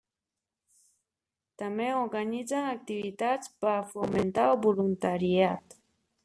També organitzen activitats per a fomentar el voluntariat.